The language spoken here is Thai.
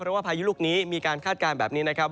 เพราะว่าพายุลูกนี้มีการคาดการณ์แบบนี้นะครับ